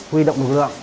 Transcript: huy động lực lượng